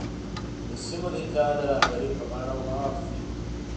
د سیمو د اتحاد رهبري پر غاړه واخلي.